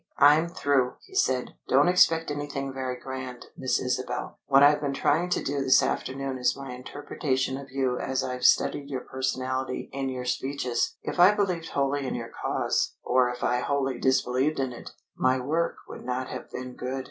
"I'm through!" he said. "Don't expect anything very grand, Miss Isabel. What I've been trying to do this afternoon is my interpretation of you as I've studied your personality in your speeches. If I believed wholly in your cause, or if I wholly disbelieved in it, my work would not have been good.